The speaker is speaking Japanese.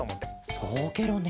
そうケロね。